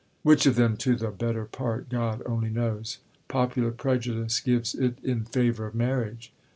Which of them to the better part, God only knows. Popular prejudice gives it in favour of marriage.